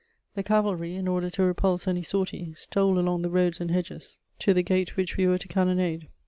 The cavalry, in order to repulse any sortie, stole along the roads and hedges to the gate which we were to cannonade.